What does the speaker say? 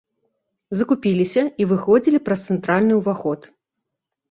Закупіліся і выходзілі праз цэнтральны ўваход.